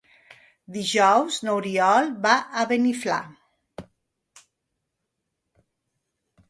Dijous n'Oriol va a Beniflà.